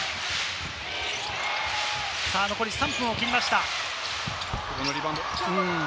残り３分を切りました。